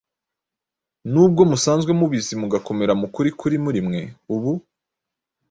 nubwo musanzwe mubizi mugakomera mu kuri kuri muri mwe ubu